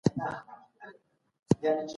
موږ خپل ټول دلایل په منظم ډول وړاندي کړي.